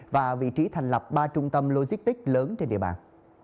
và vị trí thành lập ba trung tâm logistics lớn trên địa bàn